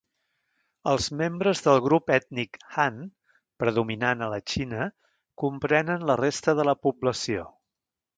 Els membres del grup ètnic Han, predominant a la Xina, comprenen la resta de la població.